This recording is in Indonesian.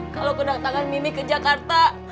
kalau kedatangan mimi ke jakarta